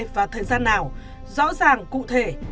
và thời gian nào rõ ràng cụ thể